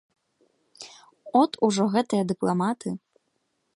От ужо гэтыя дыпламаты!